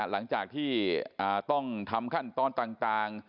หลังจากที่ต้องทำขั้นตอนต่าง